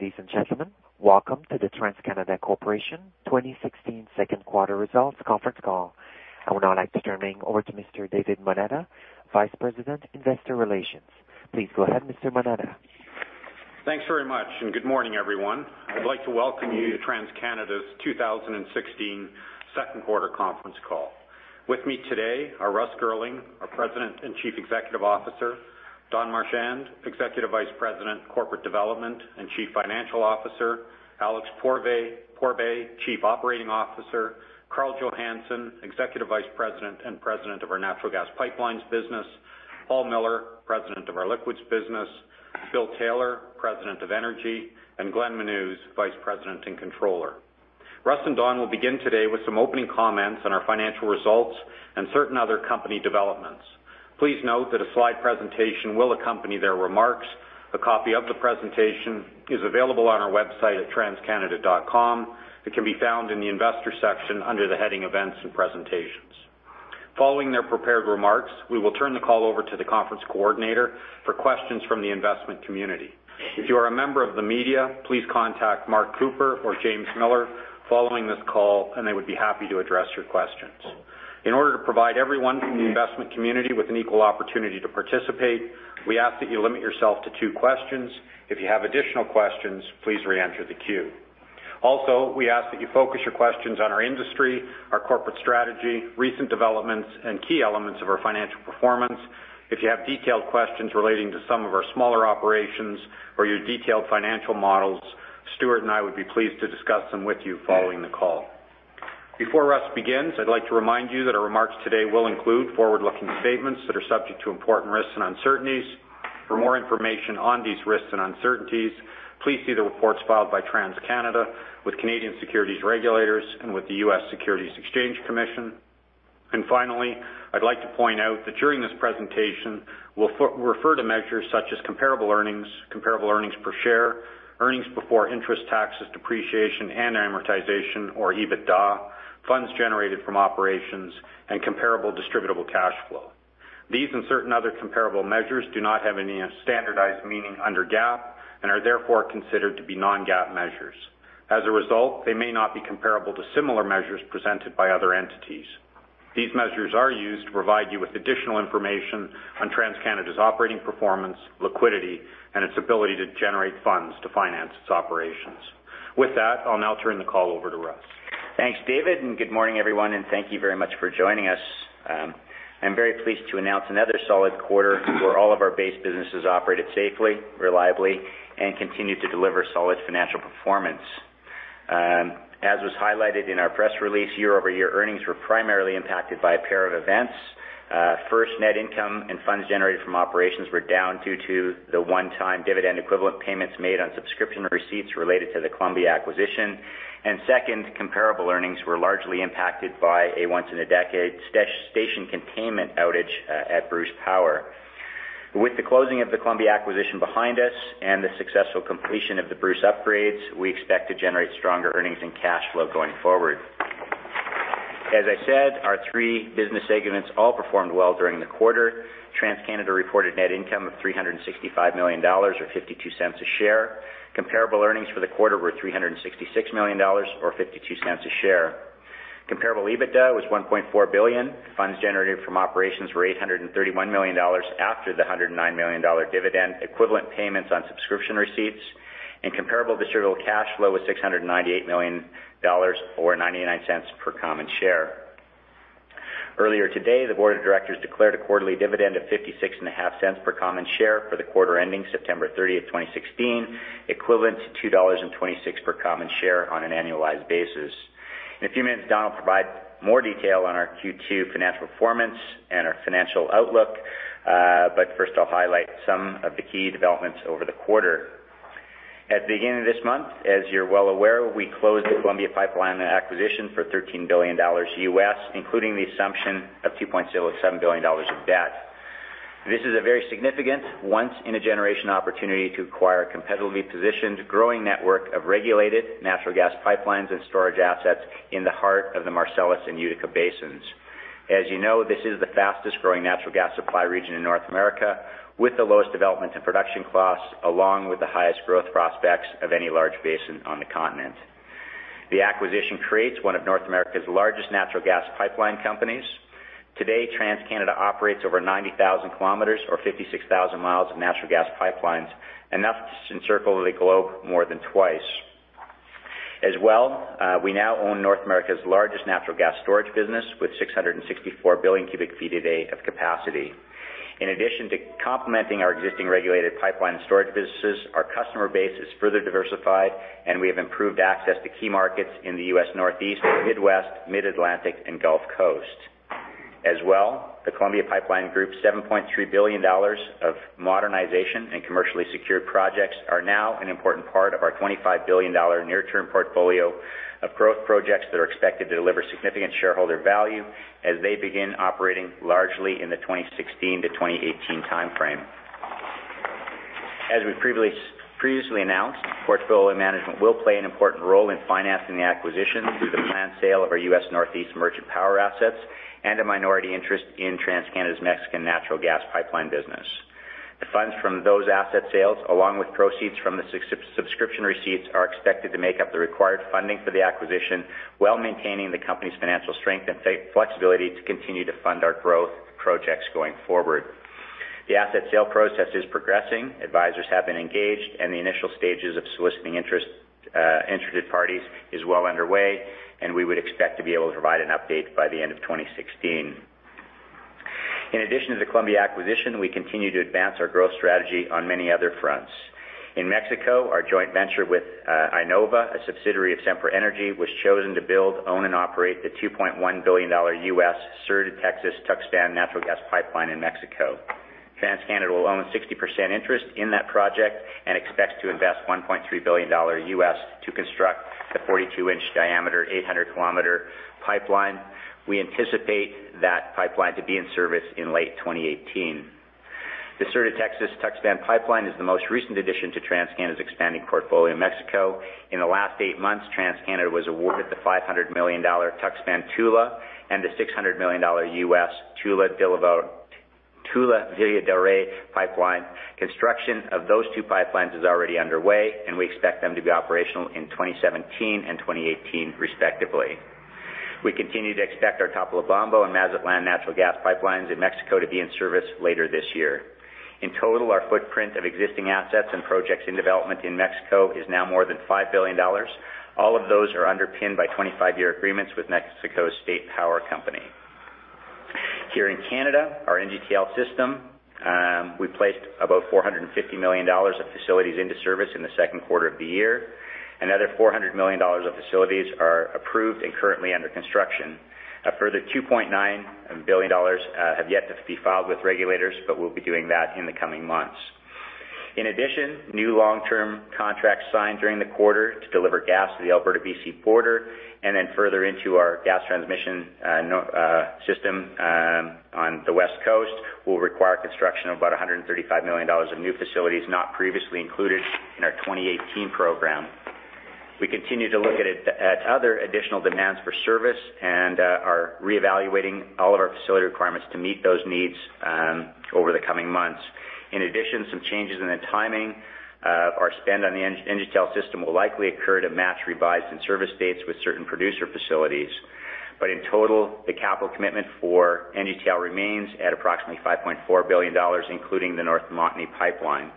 Good day, ladies and gentlemen. Welcome to the TransCanada Corporation 2016 second quarter results conference call. I would now like to turn things over to Mr. David Moneta, Vice President, Investor Relations. Please go ahead, Mr. Moneta. Thanks very much. Good morning, everyone. I'd like to welcome you to TransCanada's 2016 second quarter conference call. With me today are Russ Girling, our President and Chief Executive Officer, Don Marchand, Executive Vice President, Corporate Development and Chief Financial Officer, Alex Pourbaix, Chief Operating Officer, Karl Johannson, Executive Vice President and President of our Natural Gas Pipelines business, Paul Miller, President of our Liquids business, Bill Taylor, President of Energy, and Glenn Menuz, Vice President and Controller. Russ and Don will begin today with some opening comments on our financial results and certain other company developments. Please note that a slide presentation will accompany their remarks. A copy of the presentation is available on our website at transcanada.com. It can be found in the investor section under the heading Events and Presentations. Following their prepared remarks, we will turn the call over to the conference coordinator for questions from the investment community. If you are a member of the media, please contact Mark Cooper or James Millar following this call, and they would be happy to address your questions. In order to provide everyone from the investment community with an equal opportunity to participate, we ask that you limit yourself to two questions. If you have additional questions, please re-enter the queue. We ask that you focus your questions on our industry, our corporate strategy, recent developments, and key elements of our financial performance. If you have detailed questions relating to some of our smaller operations or your detailed financial models, Stuart and I would be pleased to discuss them with you following the call. Before Russ begins, I'd like to remind you that our remarks today will include forward-looking statements that are subject to important risks and uncertainties. For more information on these risks and uncertainties, please see the reports filed by TransCanada with Canadian securities regulators and with the U.S. Securities and Exchange Commission. Finally, I'd like to point out that during this presentation, we'll refer to measures such as comparable earnings, comparable earnings per share, earnings before interest, taxes, depreciation, and amortization or EBITDA, funds generated from operations, and comparable distributable cash flow. These and certain other comparable measures do not have any standardized meaning under GAAP and are therefore considered to be non-GAAP measures. As a result, they may not be comparable to similar measures presented by other entities. These measures are used to provide you with additional information on TransCanada's operating performance, liquidity, and its ability to generate funds to finance its operations. With that, I'll now turn the call over to Russ. Thanks, David, good morning, everyone, and thank you very much for joining us. I'm very pleased to announce another solid quarter where all of our base businesses operated safely, reliably, and continued to deliver solid financial performance. As was highlighted in our press release, year-over-year earnings were primarily impacted by a pair of events. First, net income and funds generated from operations were down due to the one-time dividend equivalent payments made on subscription receipts related to the Columbia acquisition. Second, comparable earnings were largely impacted by a once-in-a-decade station containment outage at Bruce Power. With the closing of the Columbia acquisition behind us and the successful completion of the Bruce upgrades, we expect to generate stronger earnings and cash flow going forward. As I said, our three business segments all performed well during the quarter. TransCanada reported net income of 365 million dollars or 0.52 a share. Comparable earnings for the quarter were 366 million dollars or 0.52 a share. Comparable EBITDA was 1.4 billion. Funds generated from operations were 831 million dollars after the 109 million dollar dividend equivalent payments on subscription receipts, comparable distributable cash flow was 698 million dollars or 0.99 per common share. Earlier today, the board of directors declared a quarterly dividend of 0.565 per common share for the quarter ending September 30th, 2016, equivalent to 2.26 dollars per common share on an annualized basis. In a few minutes, Don will provide more detail on our Q2 financial performance and our financial outlook. First, I'll highlight some of the key developments over the quarter. At the beginning of this month, as you're well aware, we closed the Columbia Pipeline acquisition for $13 billion U.S., including the assumption of $2.07 billion of debt. This is a very significant once-in-a-generation opportunity to acquire a competitively positioned, growing network of regulated natural gas pipelines and storage assets in the heart of the Marcellus and Utica basins. As you know, this is the fastest-growing natural gas supply region in North America, with the lowest development and production costs, along with the highest growth prospects of any large basin on the continent. The acquisition creates one of North America's largest natural gas pipeline companies. Today, TransCanada operates over 90,000 kilometers or 56,000 miles of natural gas pipelines, enough to encircle the globe more than twice. As well, we now own North America's largest natural gas storage business, with 664 billion cubic feet a day of capacity. In addition to complementing our existing regulated pipeline storage businesses, our customer base is further diversified, and we have improved access to key markets in the U.S. Northeast, Midwest, Mid-Atlantic, and Gulf Coast. As well, the Columbia Pipeline Group's $7.3 billion of modernization and commercially secured projects are now an important part of our 25 billion dollar near-term portfolio of growth projects that are expected to deliver significant shareholder value as they begin operating largely in the 2016 to 2018 timeframe. As we've previously announced, portfolio management will play an important role in financing the acquisition through the planned sale of our U.S. Northeast merchant power assets and a minority interest in TransCanada's Mexican natural gas pipeline business. The funds from those asset sales, along with proceeds from the subscription receipts, are expected to make up the required funding for the acquisition, while maintaining the company's financial strength and flexibility to continue to fund our growth projects going forward. The asset sale process is progressing. Advisors have been engaged, the initial stages of soliciting interested parties is well underway, and we would expect to be able to provide an update by the end of 2016. In addition to the Columbia acquisition, we continue to advance our growth strategy on many other fronts. In Mexico, our joint venture with IEnova, a subsidiary of Sempra Energy, was chosen to build, own, and operate the $2.1 billion Sur de Texas-Tuxpan natural gas pipeline in Mexico. TransCanada will own a 60% interest in that project and expects to invest $1.3 billion to construct the 42-inch diameter, 800-kilometer pipeline. We anticipate that pipeline to be in service in late 2018. The Sur de Texas Tuxpan Pipeline is the most recent addition to TransCanada's expanding portfolio in Mexico. In the last eight months, TransCanada was awarded the $500 million Tuxpan Tula and the $600 million Tula-Villa de Reyes pipeline. Construction of those two pipelines is already underway, we expect them to be operational in 2017 and 2018 respectively. We continue to expect our Topolobampo and Mazatlan natural gas pipelines in Mexico to be in service later this year. In total, our footprint of existing assets and projects in development in Mexico is now more than $5 billion. All of those are underpinned by 25-year agreements with Mexico's state power company. Here in Canada, our NGTL system, we placed about 450 million dollars of facilities into service in the second quarter of the year. Another 400 million dollars of facilities are approved and currently under construction. A further 2.9 billion dollars have yet to be filed with regulators, we'll be doing that in the coming months. In addition, new long-term contracts signed during the quarter to deliver gas to the Alberta-BC border, further into our gas transmission system on the West Coast, will require construction of about 135 million dollars of new facilities not previously included in our 2018 program. We continue to look at other additional demands for service and are reevaluating all of our facility requirements to meet those needs over the coming months. In addition, some changes in the timing of our spend on the NGTL system will likely occur to match revised in-service dates with certain producer facilities. In total, the capital commitment for NGTL remains at approximately 5.4 billion dollars, including the North Montney Pipeline.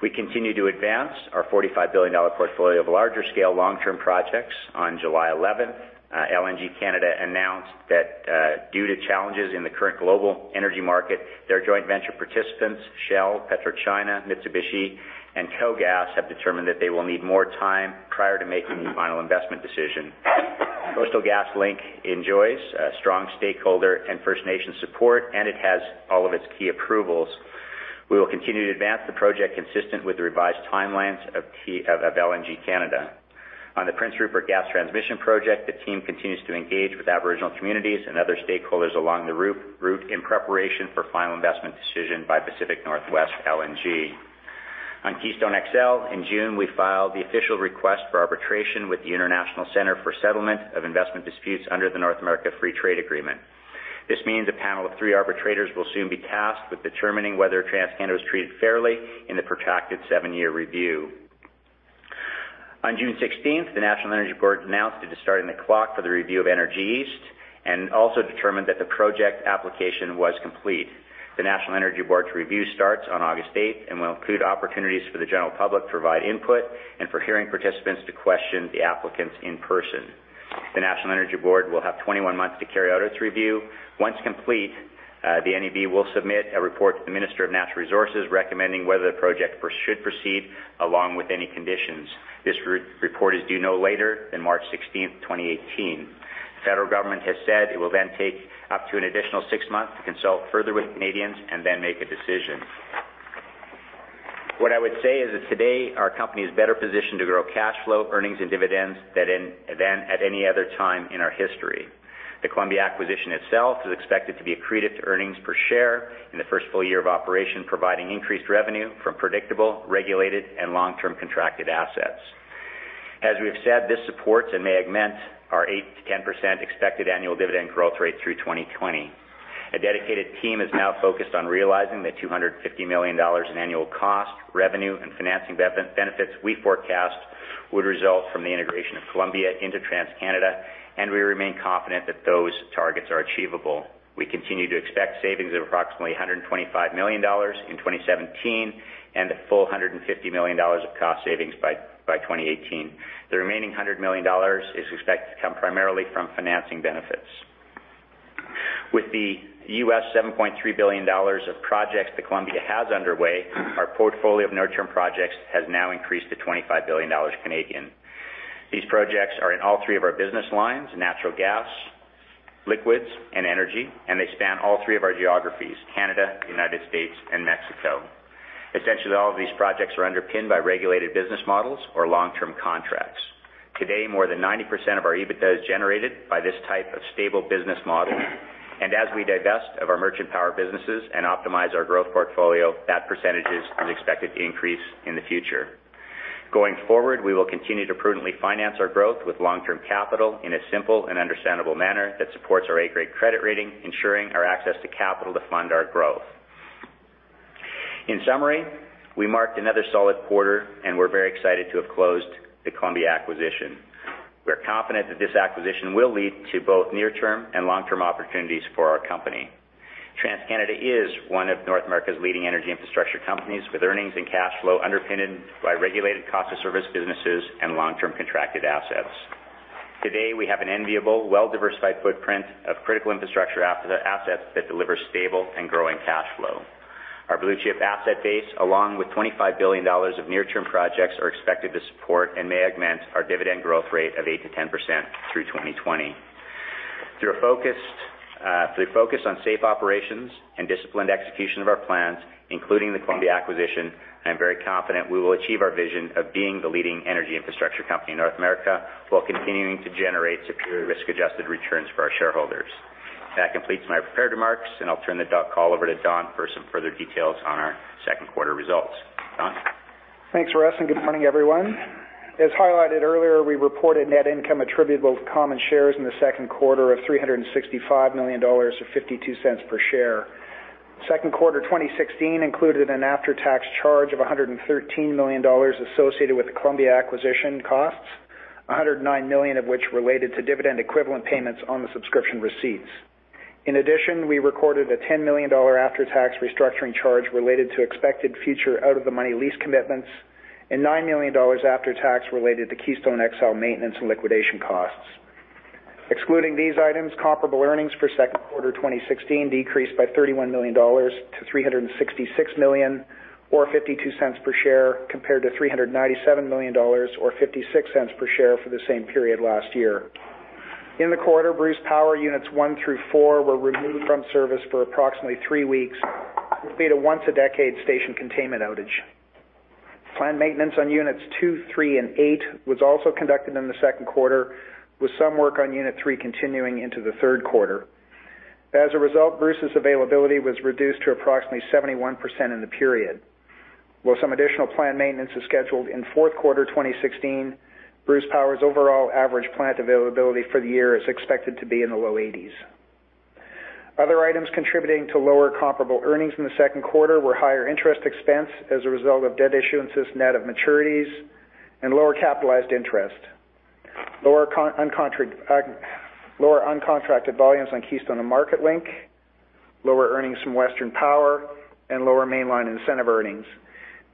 We continue to advance our 45 billion dollar portfolio of larger-scale, long-term projects. On July 11th, LNG Canada announced that due to challenges in the current global energy market, their joint venture participants, Shell, PetroChina, Mitsubishi Corporation, and KOGAS, have determined that they will need more time prior to making the final investment decision. Coastal GasLink enjoys strong stakeholder and First Nation support, and it has all of its key approvals. We will continue to advance the project consistent with the revised timelines of LNG Canada. On the Prince Rupert Gas Transmission project, the team continues to engage with Aboriginal communities and other stakeholders along the route in preparation for final investment decision by Pacific NorthWest LNG. On Keystone XL, in June, we filed the official request for arbitration with the International Centre for Settlement of Investment Disputes under the North American Free Trade Agreement. This means a panel of three arbitrators will soon be tasked with determining whether TransCanada was treated fairly in the protracted seven-year review. On June 16th, the National Energy Board announced it is starting the clock for the review of Energy East and also determined that the project application was complete. The National Energy Board's review starts on August 8th and will include opportunities for the general public to provide input and for hearing participants to question the applicants in person. The National Energy Board will have 21 months to carry out its review. Once complete, the NEB will submit a report to the Minister of Natural Resources recommending whether the project should proceed along with any conditions. This report is due no later than March 16th, 2018. The federal government has said it will then take up to an additional 6 months to consult further with Canadians and then make a decision. What I would say is that today our company is better positioned to grow cash flow, earnings, and dividends than at any other time in our history. The Columbia acquisition itself is expected to be accretive to earnings per share in the first full year of operation, providing increased revenue from predictable, regulated, and long-term contracted assets. As we've said, this supports and may augment our 8%-10% expected annual dividend growth rate through 2020. A dedicated team is now focused on realizing the 250 million dollars in annual cost, revenue, and financing benefits we forecast would result from the integration of Columbia into TransCanada, and we remain confident that those targets are achievable. We continue to expect savings of approximately 125 million dollars in 2017 and a full 150 million dollars of cost savings by 2018. The remaining 100 million dollars is expected to come primarily from financing benefits. With the $7.3 billion of projects that Columbia has underway, our portfolio of near-term projects has now increased to 25 billion Canadian dollars. These projects are in all three of our business lines, natural gas, liquids, and energy, and they span all three of our geographies, Canada, U.S., and Mexico. Essentially, all of these projects are underpinned by regulated business models or long-term contracts. Today, more than 90% of our EBITDA is generated by this type of stable business model, and as we divest of our merchant power businesses and optimize our growth portfolio, that percentage is expected to increase in the future. Going forward, we will continue to prudently finance our growth with long-term capital in a simple and understandable manner that supports our A-grade credit rating, ensuring our access to capital to fund our growth. In summary, we marked another solid quarter. We are very excited to have closed the Columbia acquisition. We are confident that this acquisition will lead to both near-term and long-term opportunities for our company. TransCanada is one of North America's leading energy infrastructure companies, with earnings and cash flow underpinned by regulated cost-of-service businesses and long-term contracted assets. Today, we have an enviable, well-diversified footprint of critical infrastructure assets that deliver stable and growing cash flow. Our blue-chip asset base, along with 25 billion dollars of near-term projects, are expected to support and may augment our dividend growth rate of 8%-10% through 2020. Through focus on safe operations and disciplined execution of our plans, including the Columbia acquisition, I am very confident we will achieve our vision of being the leading energy infrastructure company in North America while continuing to generate superior risk-adjusted returns for our shareholders. That completes my prepared remarks. I'll turn the call over to Don for some further details on our second quarter results. Don? Thanks, Russ. Good morning, everyone. As highlighted earlier, we reported net income attributable to common shares in the second quarter of 365 million dollars, or 0.52 per share. Second quarter 2016 included an after-tax charge of 113 million dollars associated with the Columbia acquisition costs, 109 million of which related to dividend equivalent payments on the subscription receipts. In addition, we recorded a 10 million dollar after-tax restructuring charge related to expected future out-of-the-money lease commitments and 9 million dollars after-tax related to Keystone XL maintenance and liquidation costs. Excluding these items, comparable earnings for second quarter 2016 decreased by 31 million dollars to 366 million or 0.52 per share, compared to 397 million dollars or 0.56 per share for the same period last year. In the quarter, Bruce Power Units 1 through 4 were removed from service for approximately three weeks due to a once-a-decade station containment outage. Planned maintenance on Units 2, 3, and 8 was also conducted in the second quarter, with some work on Unit 3 continuing into the third quarter. As a result, Bruce's availability was reduced to approximately 71% in the period. While some additional planned maintenance is scheduled in fourth quarter 2016, Bruce Power's overall average plant availability for the year is expected to be in the low 80s. Other items contributing to lower comparable earnings in the second quarter were higher interest expense as a result of debt issuances net of maturities and lower capitalized interest, lower uncontracted volumes on Keystone and MarketLink, lower earnings from Western Power, and lower Mainline incentive earnings.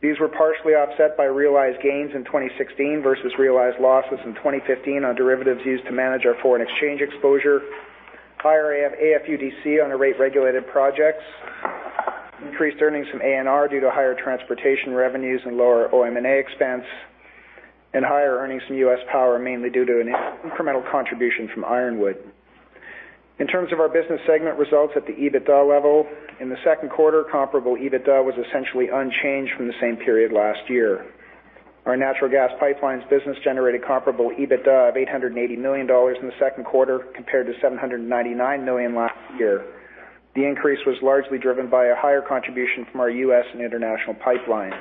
These were partially offset by realized gains in 2016 versus realized losses in 2015 on derivatives used to manage our foreign exchange exposure, higher AFUDC on our rate-regulated projects, increased earnings from ANR due to higher transportation revenues and lower OM&A expense, and higher earnings from US Power, mainly due to an incremental contribution from Ironwood. In terms of our business segment results at the EBITDA level, in the second quarter, comparable EBITDA was essentially unchanged from the same period last year. Our Natural Gas Pipelines business generated comparable EBITDA of 880 million dollars in the second quarter, compared to 799 million last year. The increase was largely driven by a higher contribution from our U.S. and international pipelines.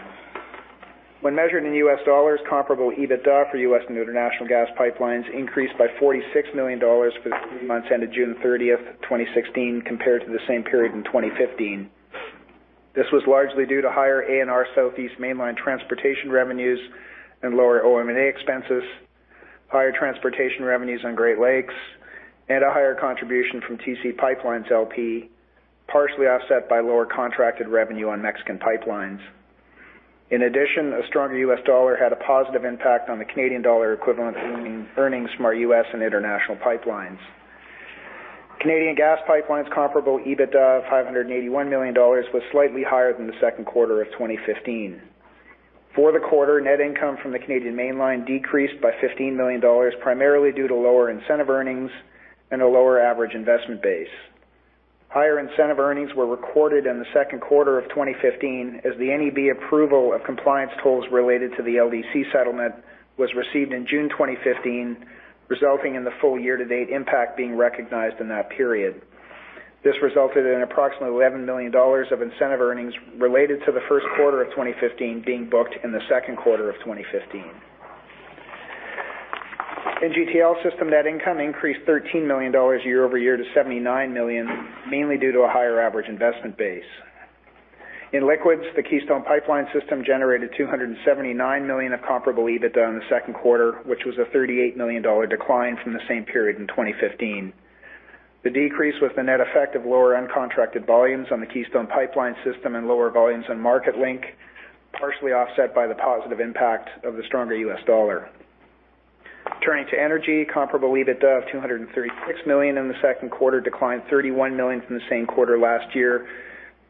When measured in US dollars, comparable EBITDA for U.S. and International Gas Pipelines increased by $46 million for the three months ended June 30th, 2016, compared to the same period in 2015. This was largely due to higher ANR Southeast Mainline transportation revenues and lower OM&A expenses, higher transportation revenues on Great Lakes, and a higher contribution from TC PipeLines, LP, partially offset by lower contracted revenue on Mexican pipelines. In addition, a stronger U.S. dollar had a positive impact on the Canadian dollar equivalent earnings from our U.S. and international pipelines. Canadian Gas Pipelines' comparable EBITDA of 581 million dollars was slightly higher than the second quarter of 2015. For the quarter, net income from the Canadian Mainline decreased by 15 million dollars, primarily due to lower incentive earnings and a lower average investment base. Higher incentive earnings were recorded in the second quarter of 2015 as the NEB approval of compliance tolls related to the LDC settlement was received in June 2015, resulting in the full year-to-date impact being recognized in that period. This resulted in approximately 11 million dollars of incentive earnings related to the first quarter of 2015 being booked in the second quarter of 2015. In NGTL system, net income increased 13 million dollars year-over-year to 79 million, mainly due to a higher average investment base. In Liquids, the Keystone Pipeline system generated 279 million of comparable EBITDA in the second quarter, which was a 38 million dollar decline from the same period in 2015. The decrease was the net effect of lower uncontracted volumes on the Keystone Pipeline system and lower volumes on MarketLink, partially offset by the positive impact of the stronger U.S. dollar. Turning to Energy, comparable EBITDA of 236 million in the second quarter declined 31 million from the same quarter last year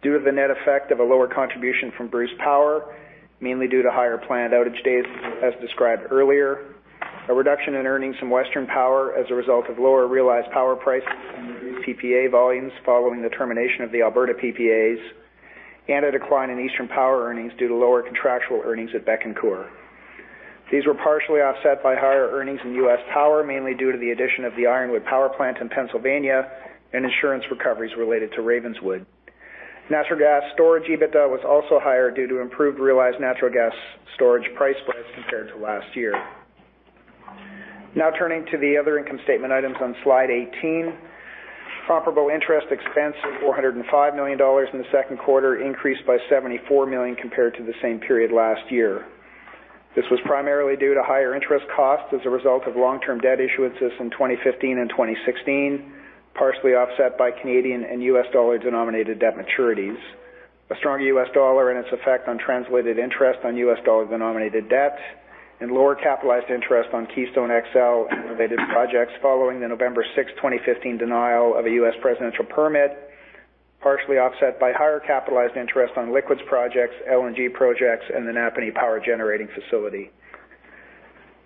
due to the net effect of a lower contribution from Bruce Power, mainly due to higher plant outage days as described earlier, a reduction in earnings from Western Power as a result of lower realized power prices and reduced PPA volumes following the termination of the Alberta PPAs, and a decline in Eastern Power earnings due to lower contractual earnings at Bécancour. These were partially offset by higher earnings in US Power, mainly due to the addition of the Ironwood Power Plant in Pennsylvania and insurance recoveries related to Ravenswood. Natural gas storage EBITDA was also higher due to improved realized natural gas storage price spreads compared to last year. Now turning to the other income statement items on slide 18. Comparable interest expense of 405 million dollars in the second quarter increased by 74 million compared to the same period last year. This was primarily due to higher interest costs as a result of long-term debt issuances in 2015 and 2016, partially offset by Canadian and U.S. dollar-denominated debt maturities. A stronger U.S. dollar and its effect on translated interest on U.S. dollar-denominated debt and lower capitalized interest on Keystone XL-related projects following the November 6, 2015, denial of a U.S. presidential permit, partially offset by higher capitalized interest on liquids projects, LNG projects, and the Napanee Power generating facility.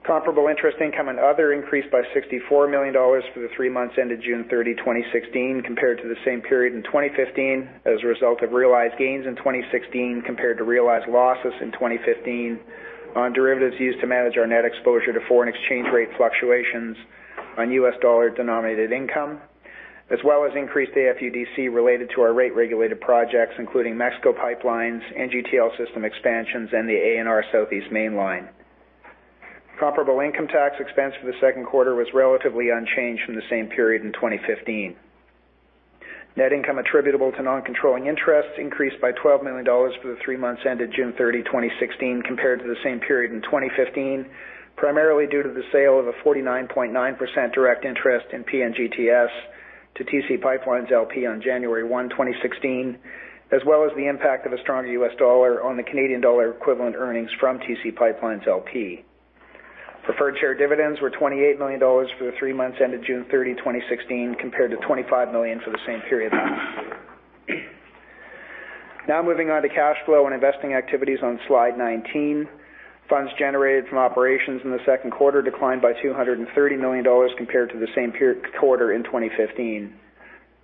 Comparable interest income and other increased by 64 million dollars for the three months ended June 30, 2016, compared to the same period in 2015 as a result of realized gains in 2016 compared to realized losses in 2015 on derivatives used to manage our net exposure to foreign exchange rate fluctuations on U.S. dollar-denominated income, as well as increased AFUDC related to our rate-regulated projects, including Mexico pipelines, NGTL system expansions, and the ANR Southeast Mainline. Comparable income tax expense for the second quarter was relatively unchanged from the same period in 2015. Net income attributable to non-controlling interests increased by 12 million dollars for the three months ended June 30, 2016, compared to the same period in 2015, primarily due to the sale of a 49.9% direct interest in PNGTS to TC PipeLines, LP on January 1, 2016, as well as the impact of a stronger U.S. dollar on the Canadian dollar equivalent earnings from TC PipeLines, LP. Preferred share dividends were 28 million dollars for the three months ended June 30, 2016, compared to 25 million for the same period last year. Moving on to cash flow and investing activities on slide 19. Funds generated from operations in the second quarter declined by 230 million dollars compared to the same quarter in 2015.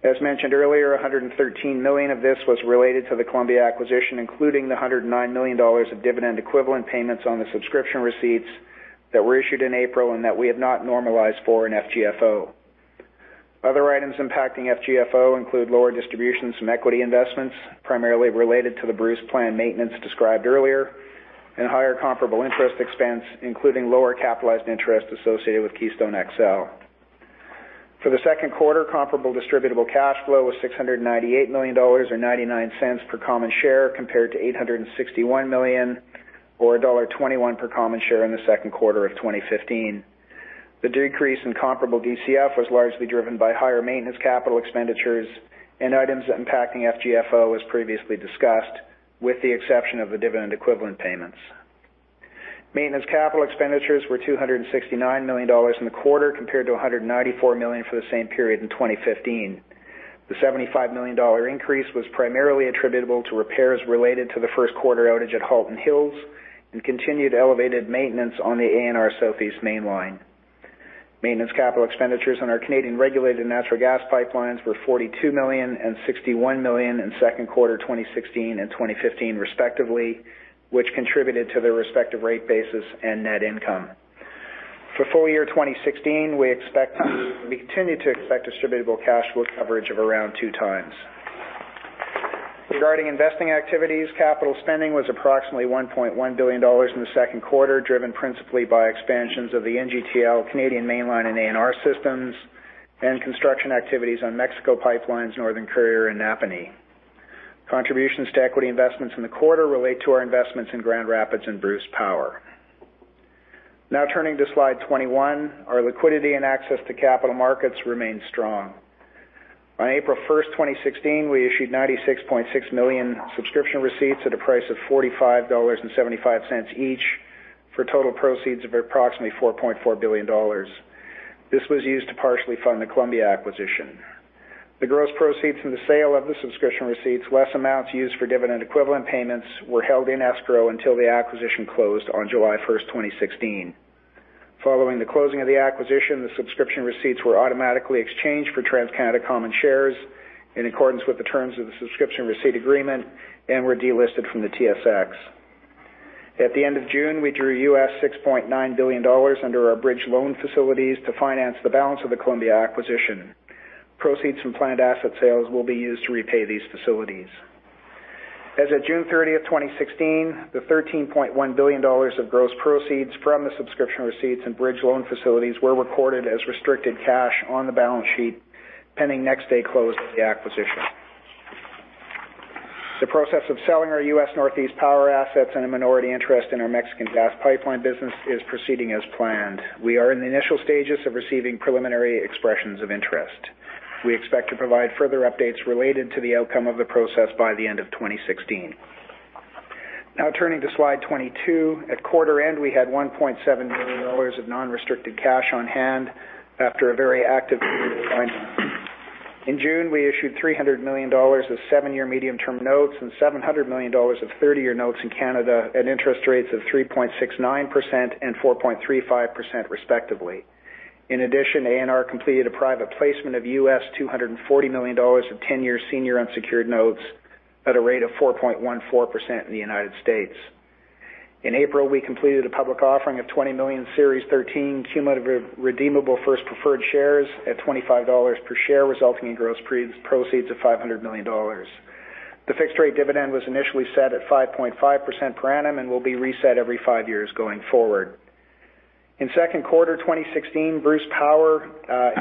As mentioned earlier, 113 million of this was related to the Columbia acquisition, including the 109 million dollars of dividend equivalent payments on the subscription receipts that were issued in April and that we have not normalized for in FGFO. Other items impacting FGFO include lower distributions from equity investments, primarily related to the Bruce Plant maintenance described earlier, and higher comparable interest expense, including lower capitalized interest associated with Keystone XL. For the second quarter, comparable distributable cash flow was 698 million dollars, or 0.99 per common share, compared to 861 million or dollar 1.21 per common share in the second quarter of 2015. The decrease in comparable DCF was largely driven by higher maintenance capital expenditures and items impacting FGFO as previously discussed, with the exception of the dividend equivalent payments. Maintenance capital expenditures were 269 million dollars in the quarter, compared to 194 million for the same period in 2015. The 75 million dollar increase was primarily attributable to repairs related to the first quarter outage at Halton Hills and continued elevated maintenance on the ANR Southeast Mainline. Maintenance capital expenditures on our Canadian regulated natural gas pipelines were 42 million and 61 million in second quarter 2016 and 2015 respectively, which contributed to their respective rate basis and net income. For full year 2016, we continue to expect distributable cash flow coverage of around two times. Regarding investing activities, capital spending was approximately 1.1 billion dollars in the second quarter, driven principally by expansions of the NGTL Canadian Mainline and ANR systems and construction activities on Mexico pipelines, Northern Courier, and Napanee. Contributions to equity investments in the quarter relate to our investments in Grand Rapids and Bruce Power. Now turning to slide 21. Our liquidity and access to capital markets remain strong. On April 1st, 2016, we issued 96.6 million subscription receipts at a price of 45.75 dollars each for total proceeds of approximately 4.4 billion dollars. This was used to partially fund the Columbia acquisition. The gross proceeds from the sale of the subscription receipts, less amounts used for dividend equivalent payments, were held in escrow until the acquisition closed on July 1st, 2016. Following the closing of the acquisition, the subscription receipts were automatically exchanged for TransCanada common shares in accordance with the terms of the subscription receipt agreement and were delisted from the TSX. At the end of June, we drew $6.9 billion under our bridge loan facilities to finance the balance of the Columbia acquisition. Proceeds from planned asset sales will be used to repay these facilities. As of June 30th, 2016, the 13.1 billion dollars of gross proceeds from the subscription receipts and bridge loan facilities were recorded as restricted cash on the balance sheet, pending next day close of the acquisition. The process of selling our U.S. Northeast power assets and a minority interest in our Mexican gas pipeline business is proceeding as planned. We are in the initial stages of receiving preliminary expressions of interest. We expect to provide further updates related to the outcome of the process by the end of 2016. Now turning to slide 22. At quarter end, we had 1.7 billion dollars of non-restricted cash on hand after a very active period of financing. In June, we issued 300 million dollars of seven-year medium-term notes and 700 million dollars of 30-year notes in Canada at interest rates of 3.69% and 4.35% respectively. In addition, ANR completed a private placement of $240 million of 10-year senior unsecured notes at a rate of 4.14% in the U.S. In April, we completed a public offering of 20 million Series 13 cumulative redeemable first preferred shares at 25 dollars per share, resulting in gross proceeds of 500 million dollars. The fixed-rate dividend was initially set at 5.5% per annum and will be reset every five years going forward. In Q2 2016, Bruce Power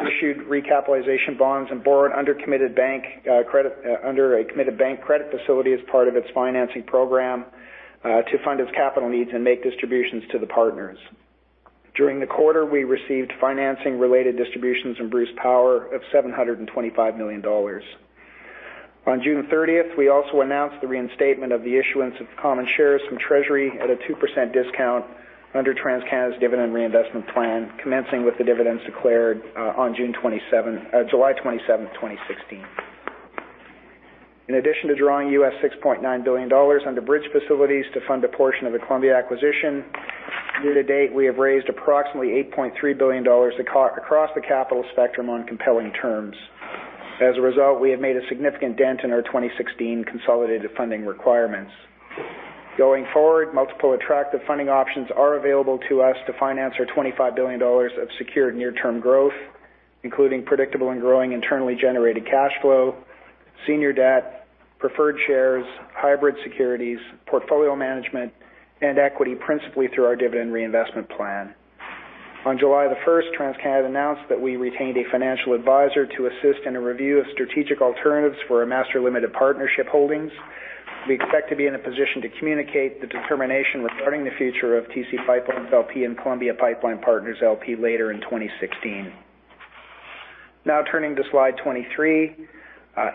issued recapitalization bonds and borrowed under a committed bank credit facility as part of its financing program to fund its capital needs and make distributions to the partners. During the quarter, we received financing-related distributions from Bruce Power of 725 million dollars. On June 30th, we also announced the reinstatement of the issuance of common shares from treasury at a 2% discount under TransCanada's dividend reinvestment plan, commencing with the dividends declared on July 27th, 2016. In addition to drawing US $6.9 billion under bridge facilities to fund a portion of the Columbia acquisition, year-to-date, we have raised approximately 8.3 billion dollars across the capital spectrum on compelling terms. As a result, we have made a significant dent in our 2016 consolidated funding requirements. Going forward, multiple attractive funding options are available to us to finance our 25 billion dollars of secured near-term growth, including predictable and growing internally generated cash flow, senior debt, preferred shares, hybrid securities, portfolio management, and equity, principally through our dividend reinvestment plan. On July the 1st, TransCanada announced that we retained a financial advisor to assist in a review of strategic alternatives for our Master Limited Partnership holdings. We expect to be in a position to communicate the determination regarding the future of TC PipeLines, LP and Columbia Pipeline Partners LP later in 2016. Turning to slide 23.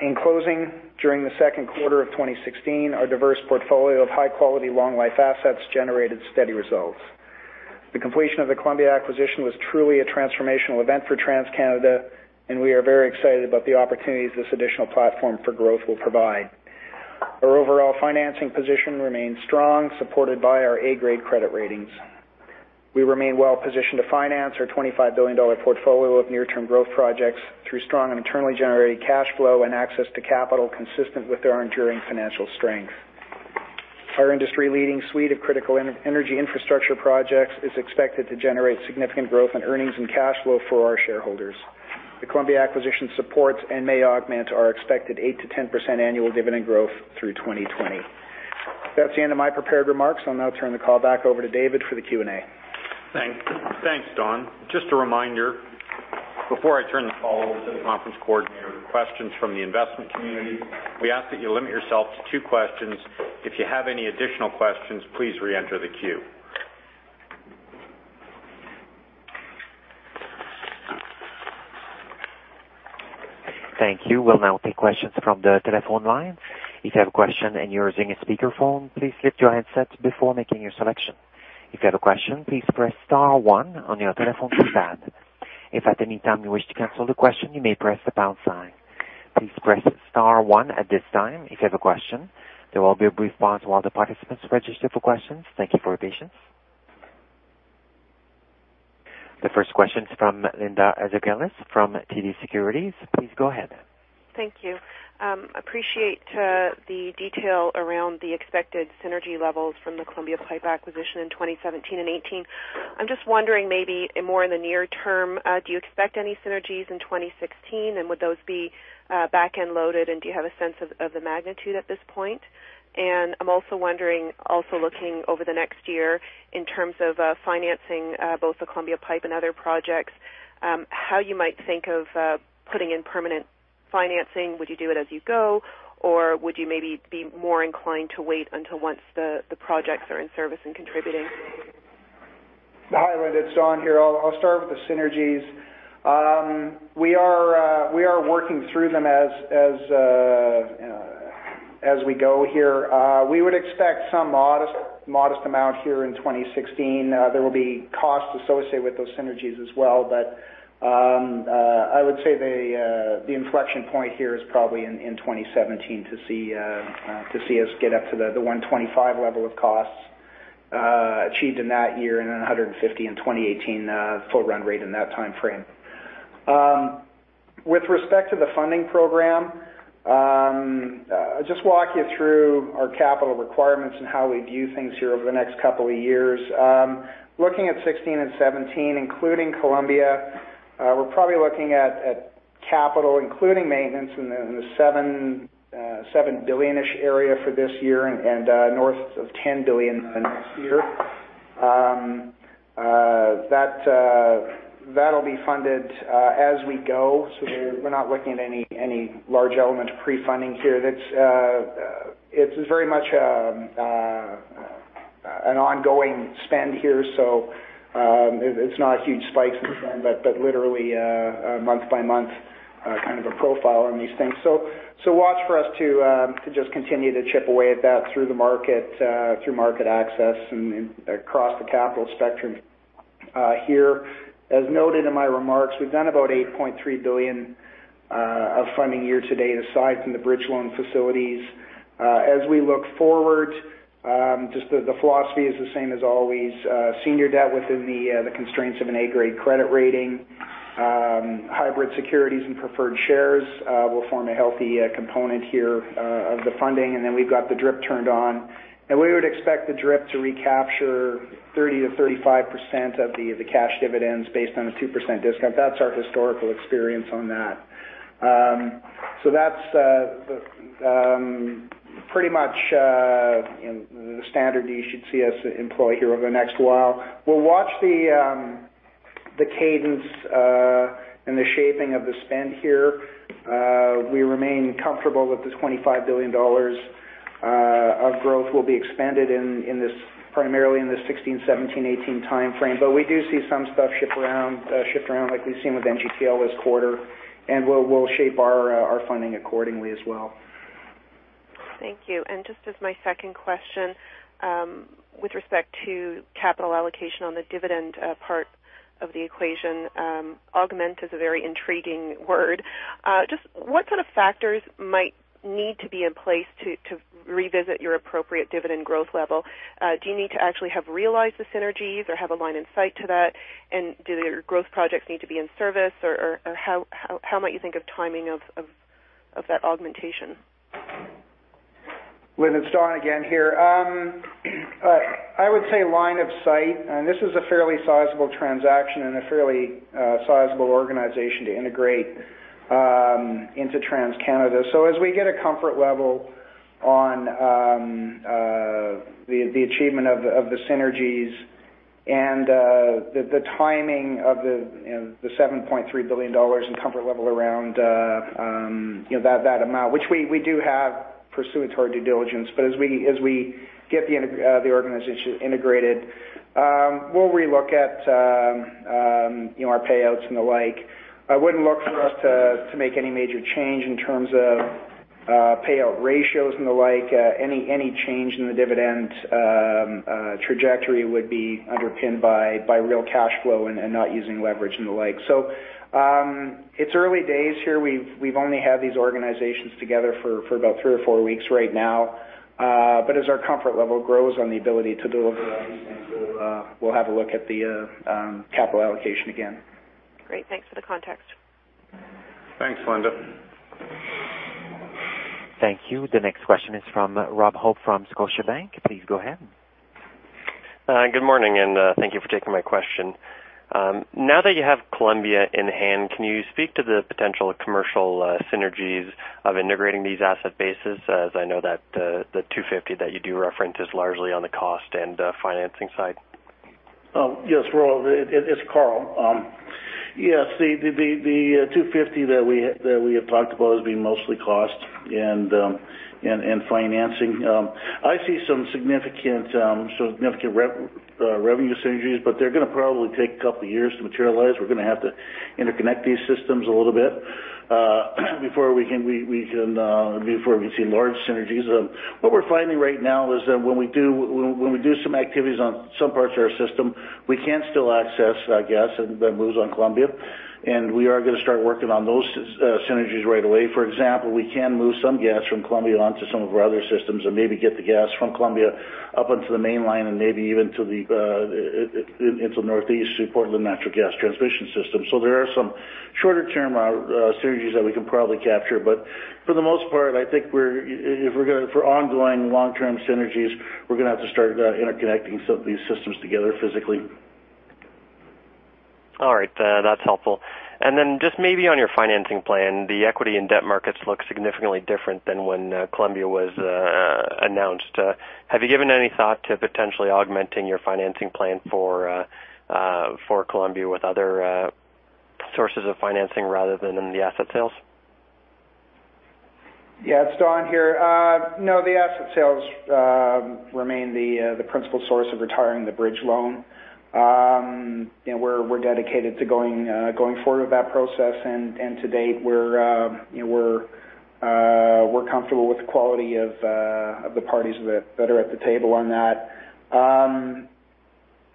In closing, during the second quarter of 2016, our diverse portfolio of high-quality, long-life assets generated steady results. The completion of the Columbia acquisition was truly a transformational event for TransCanada, and we are very excited about the opportunities this additional platform for growth will provide. Our overall financing position remains strong, supported by our A-grade credit ratings. We remain well-positioned to finance our 25 billion dollar portfolio of near-term growth projects through strong internally generated cash flow and access to capital consistent with our enduring financial strength. Our industry-leading suite of critical energy infrastructure projects is expected to generate significant growth in earnings and cash flow for our shareholders. The Columbia acquisition supports and may augment our expected 8%-10% annual dividend growth through 2020. That's the end of my prepared remarks. I'll now turn the call back over to David for the Q&A. Thanks, Don. Just a reminder, before I turn the call over to the conference coordinator with questions from the investment community, we ask that you limit yourself to two questions. If you have any additional questions, please reenter the queue. Thank you. We'll now take questions from the telephone line. If you have a question and you're using a speakerphone, please mute your headsets before making your selection. If you have a question, please press star 1 on your telephone keypad. If at any time you wish to cancel the question, you may press the pound sign. Please press star 1 at this time if you have a question. There will be a brief pause while the participants register for questions. Thank you for your patience. The first question is from Linda Ezergailis from TD Securities. Please go ahead. Thank you. Appreciate the detail around the expected synergy levels from the Columbia Pipe acquisition in 2017 and 2018. I'm just wondering maybe more in the near term, do you expect any synergies in 2016? Would those be back-end loaded, and do you have a sense of the magnitude at this point? I'm also wondering, also looking over the next year in terms of financing both the Columbia Pipe and other projects, how you might think of putting in permanent financing. Would you do it as you go, or would you maybe be more inclined to wait until once the projects are in service and contributing? Hi, Linda, it's Don here. I'll start with the synergies. We are working through them as we go here. We would expect some modest amount here in 2016. There will be costs associated with those synergies as well, but I would say the inflection point here is probably in 2017 to see us get up to the 125 level of costs achieved in that year, and then 150 in 2018, full run rate in that timeframe. With respect to the funding program, I'll just walk you through our capital requirements and how we view things here over the next couple of years. Looking at 2016 and 2017, including Columbia, we're probably looking at capital, including maintenance in the 7 billion-ish area for this year and north of 10 billion the next year. That'll be funded as we go. We're not looking at any large element of pre-funding here. It's very much an ongoing spend here, so it's not a huge spike in spend, but literally a month-by-month kind of a profile on these things. Watch for us to just continue to chip away at that through market access and across the capital spectrum here. As noted in my remarks, we've done about 8.3 billion of funding year to date, aside from the bridge loan facilities. As we look forward, just the philosophy is the same as always, senior debt within the constraints of an A-grade credit rating. Hybrid securities and preferred shares will form a healthy component here of the funding, and then we've got the DRIP turned on. We would expect the DRIP to recapture 30%-35% of the cash dividends based on a 2% discount. That's our historical experience on that. That's pretty much the standard you should see us employ here over the next while. We'll watch the cadence and the shaping of the spend here. We remain comfortable with the 25 billion dollars of growth will be expanded primarily in this 2016, 2017, 2018 timeframe. We do see some stuff shift around, like we've seen with NGTL this quarter, and we'll shape our funding accordingly as well. Thank you. Just as my second question with respect to capital allocation on the dividend part of the equation. Augment is a very intriguing word. Just what kind of factors might need to be in place to revisit your appropriate dividend growth level? Do you need to actually have realized the synergies or have a line in sight to that? Do your growth projects need to be in service? How might you think of timing of that augmentation? Linda, it's Don again here. I would say line of sight, this is a fairly sizable transaction and a fairly sizable organization to integrate into TransCanada. As we get a comfort level on the achievement of the synergies and the timing of the 7.3 billion dollars and comfort level around that amount, which we do have pursuant to our due diligence, as we get the organization integrated, we'll re-look at our payouts and the like. I wouldn't look for us to make any major change in terms of payout ratios and the like. Any change in the dividend trajectory would be underpinned by real cash flow and not using leverage and the like. It's early days here. We've only had these organizations together for about three or four weeks right now. As our comfort level grows on the ability to deliver on these things, we'll have a look at the capital allocation again. Great. Thanks for the context. Thanks, Linda. Thank you. The next question is from Rob Hope from Scotiabank. Please go ahead. Good morning. Thank you for taking my question. Now that you have Columbia in hand, can you speak to the potential commercial synergies of integrating these asset bases? I know that the 250 that you do reference is largely on the cost and financing side. Yes, Rob. It's Karl. Yes, the 250 that we have talked about as being mostly cost and financing. I see some significant revenue synergies, they're going to probably take a couple of years to materialize. We're going to have to interconnect these systems a little bit before we can see large synergies. What we're finding right now is that when we do some activities on some parts of our system, we can still access gas that moves on Columbia, and we are going to start working on those synergies right away. For example, we can move some gas from Columbia onto some of our other systems and maybe get the gas from Columbia up onto the Mainline and maybe even into the Northeast through Portland Natural Gas Transmission System. There are some shorter-term synergies that we can probably capture, but for the most part, I think if we're going for ongoing long-term synergies, we're going to have to start interconnecting some of these systems together physically. All right. That's helpful. Just maybe on your financing plan, the equity and debt markets look significantly different than when Columbia was announced. Have you given any thought to potentially augmenting your financing plan for Columbia with other sources of financing rather than the asset sales? Yeah. It's Don here. No, the asset sales remain the principal source of retiring the bridge loan. We're dedicated to going forward with that process, and to date, we're comfortable with the quality of the parties that are at the table on that.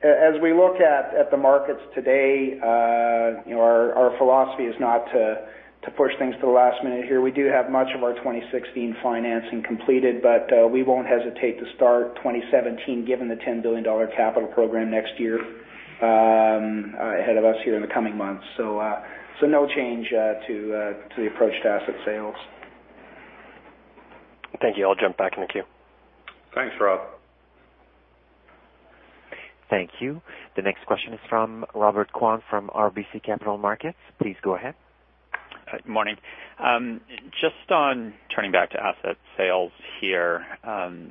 As we look at the markets today, our philosophy is not to push things to the last minute here. We do have much of our 2016 financing completed, but we won't hesitate to start 2017 given the 10 billion dollar capital program next year ahead of us here in the coming months. No change to the approach to asset sales. Thank you. I'll jump back in the queue. Thanks, Rob. Thank you. The next question is from Robert Kwan from RBC Capital Markets. Please go ahead. Good morning. Just on turning back to asset sales here. Don,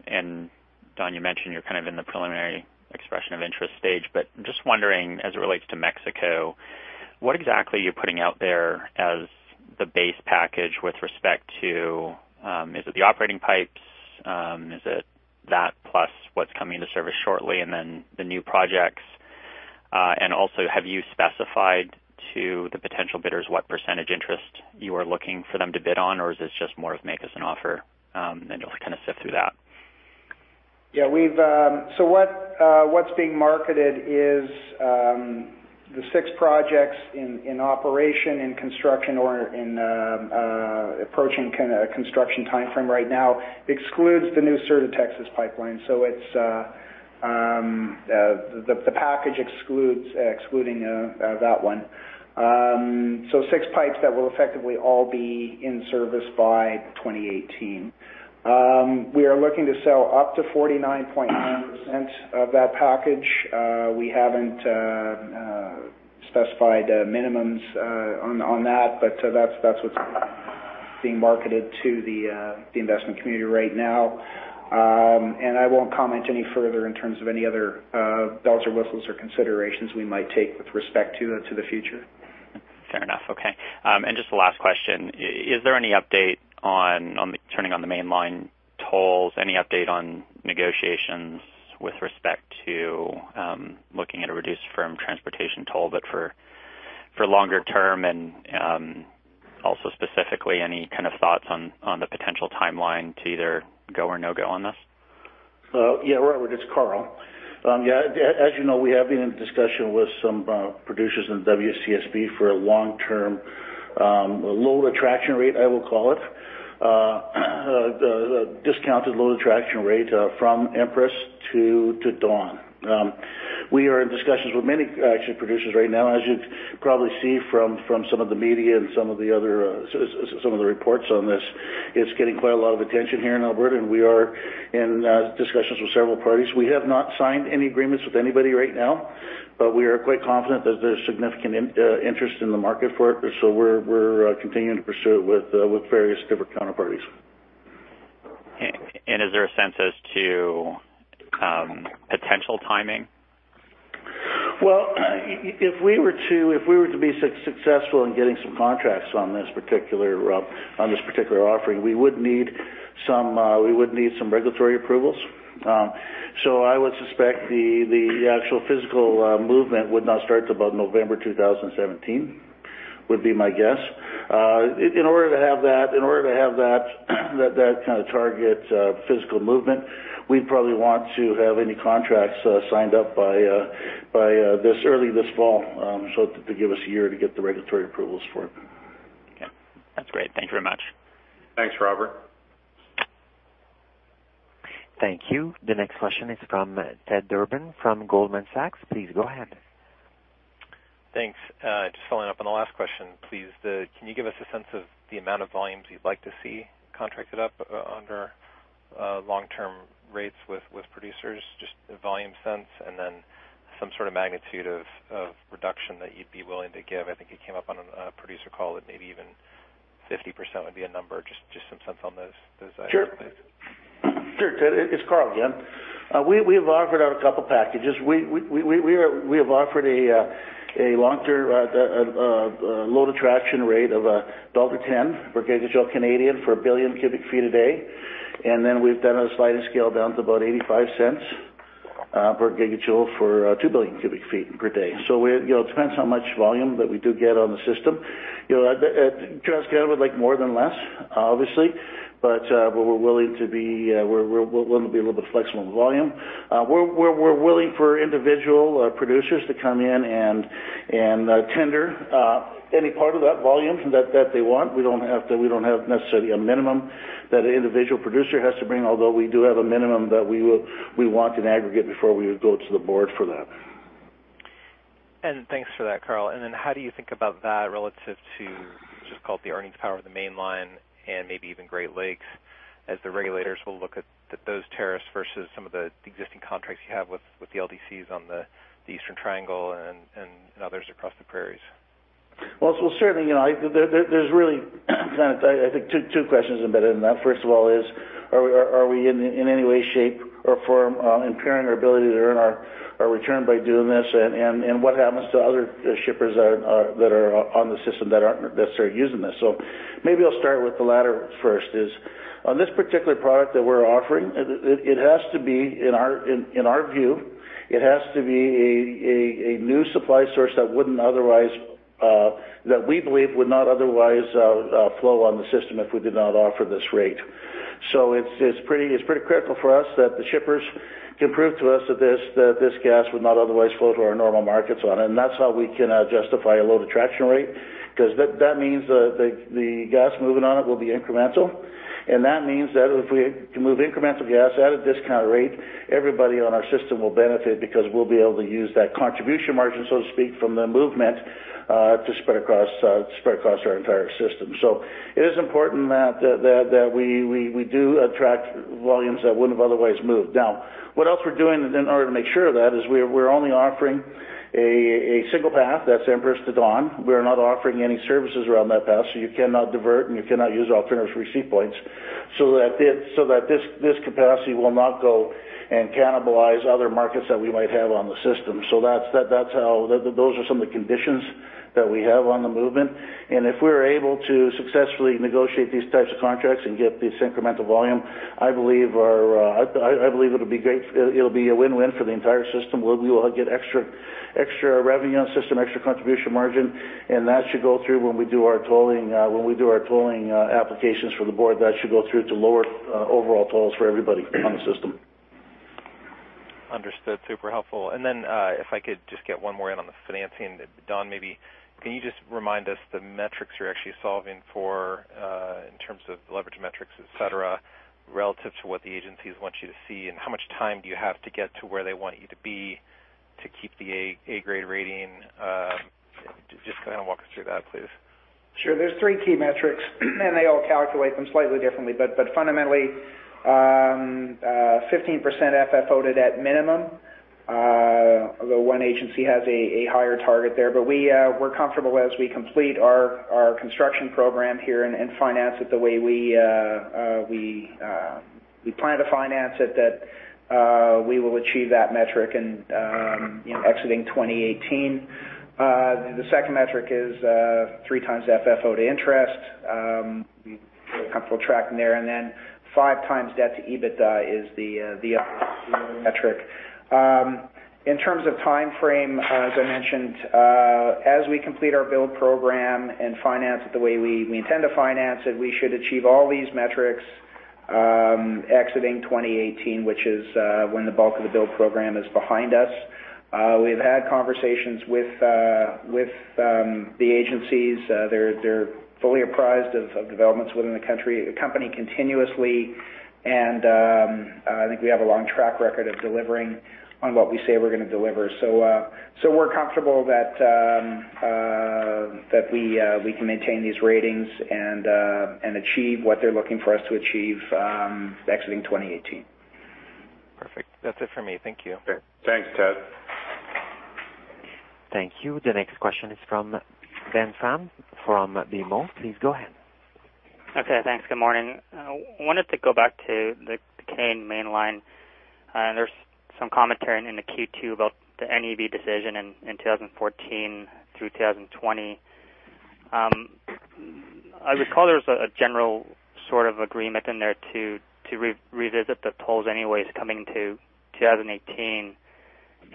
you mentioned you're kind of in the preliminary expression of interest stage, but just wondering as it relates to Mexico, what exactly you're putting out there as the base package with respect to, is it the operating pipes? Is it that plus what's coming to service shortly and then the new projects? Also, have you specified to the potential bidders what percentage interest you are looking for them to bid on, or is this just more of make us an offer, and you'll kind of sift through that? Yeah. What's being marketed is the six projects in operation, in construction or approaching a construction timeframe right now, excludes the new Sur de Texas pipeline. The package excluding that one. Six pipes that will effectively all be in service by 2018. We are looking to sell up to 49.9% of that package. We haven't specified minimums on that, but that's what's being marketed to the investment community right now. I won't comment any further in terms of any other bells or whistles or considerations we might take with respect to the future. Fair enough. Okay. Just the last question, is there any update on turning on the Mainline tolls? Any update on negotiations with respect to looking at a reduced firm transportation toll, but for longer term? Also specifically, any kind of thoughts on the potential timeline to either go or no-go on this? Yeah, Robert, it's Karl. As you know, we have been in discussion with some producers in WCSB for a long-term load attraction rate, I will call it. The discounted load attraction rate from Empress to Dawn. We are in discussions with many actual producers right now, as you probably see from some of the media and some of the reports on this. It's getting quite a lot of attention here in Alberta. We are in discussions with several parties. We have not signed any agreements with anybody right now, but we are quite confident that there's significant interest in the market for it. We're continuing to pursue it with various different counterparties. Is there a sense as to potential timing? If we were to be successful in getting some contracts on this particular offering, we would need some regulatory approvals. I would suspect the actual physical movement would not start till about November 2017, would be my guess. In order to have that kind of target physical movement, we'd probably want to have any contracts signed up by early this fall, to give us a year to get the regulatory approvals for it. Okay. That's great. Thank you very much. Thanks, Robert. Thank you. The next question is from Ted Durbin from Goldman Sachs. Please go ahead. Thanks. Just following up on the last question, please. Can you give us a sense of the amount of volumes you'd like to see contracted up under long-term rates with producers? Just a volume sense, then some sort of magnitude of reduction that you'd be willing to give. I think it came up on a producer call that maybe even 50% would be a number. Just some sense on those items. Sure, Ted, it's Karl again. We've offered out two packages. We have offered a long-term load attraction rate of CAD 1.10 per gigajoule for 1 billion cubic feet a day. We've done a sliding scale down to about 0.85 per gigajoule for 2 billion cubic feet per day. It depends how much volume that we do get on the system. TransCanada would like more than less, obviously, but we're willing to be a little bit flexible on volume. We're willing for individual producers to come in and tender any part of that volume that they want. We don't have necessarily a minimum that an individual producer has to bring, although we do have a minimum that we want in aggregate before we would go to the board for that. Thanks for that, Karl. How do you think about that relative to, just call it the earnings power of the Mainline and maybe even Great Lakes as the regulators will look at those tariffs versus some of the existing contracts you have with the LDCs on the Eastern Triangle and others across the Prairies? Well, certainly, there's really I think two questions embedded in that. First of all is, are we in any way, shape, or form impairing our ability to earn our return by doing this? What happens to other shippers that are on the system that aren't necessarily using this? Maybe I'll start with the latter first is, on this particular product that we're offering, in our view, it has to be a new supply source that we believe would not otherwise flow on the system if we did not offer this rate. It's pretty critical for us that the shippers can prove to us that this gas would not otherwise flow to our normal markets on it. That's how we can justify a load attraction rate, because that means the gas moving on it will be incremental. That means that if we can move incremental gas at a discount rate, everybody on our system will benefit because we'll be able to use that contribution margin, so to speak, from the movement to spread across our entire system. It is important that we do attract volumes that wouldn't have otherwise moved. What else we're doing in order to make sure of that is we're only offering a single path that's Empress to Dawn. We're not offering any services around that path, so you cannot divert and you cannot use alternative receipt points. That this capacity will not go and cannibalize other markets that we might have on the system. Those are some of the conditions that we have on the movement. If we're able to successfully negotiate these types of contracts and get these incremental volume, I believe it'll be a win-win for the entire system where we will get extra revenue on system, extra contribution margin, and that should go through when we do our tolling applications for the board, that should go through to lower overall tolls for everybody on the system. Understood. Super helpful. Then, if I could just get one more in on the financing. Don, maybe, can you just remind us the metrics you're actually solving for, in terms of leverage metrics, et cetera, relative to what the agencies want you to see, and how much time do you have to get to where they want you to be to keep the A grade rating? Just walk us through that, please. Sure. There's three key metrics. They all calculate them slightly differently. Fundamentally, 15% FFO'd at minimum. Although one agency has a higher target there. We're comfortable as we complete our construction program here and finance it the way we plan to finance it, that we will achieve that metric in exiting 2018. The second metric is three times FFO to interest. We feel comfortable tracking there. Then five times debt to EBITDA is the other key metric. In terms of timeframe, as I mentioned, as we complete our build program and finance it the way we intend to finance it, we should achieve all these metrics exiting 2018, which is when the bulk of the build program is behind us. We've had conversations with the agencies. They're fully apprised of developments within the company continuously. I think we have a long track record of delivering on what we say we're going to deliver. We're comfortable that we can maintain these ratings and achieve what they're looking for us to achieve exiting 2018. Perfect. That's it for me. Thank you. Great. Thanks, Ted. Thank you. The next question is from Ben Pham from BMO. Please go ahead. Okay, thanks. Good morning. I wanted to go back to the Canadian Mainline. There's some commentary in the Q2 about the NEB decision in 2014 through 2020. I recall there was a general sort of agreement in there to revisit the tolls anyways coming to 2018.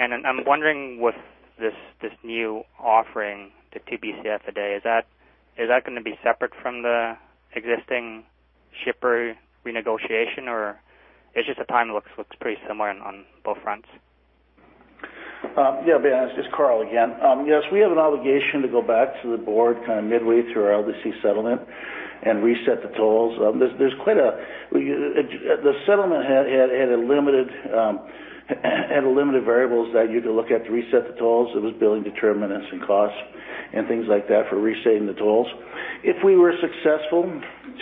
I'm wondering with this new offering, the 2 Bcf a day, is that going to be separate from the existing shipper renegotiation, or it's just the timing looks pretty similar on both fronts. Yeah, Ben, it's Karl again. Yes, we have an obligation to go back to the board kind of midway through our LDC settlement and reset the tolls. The settlement had limited variables that you had to look at to reset the tolls. It was billing determinants and costs and things like that for resetting the tolls. If we were successful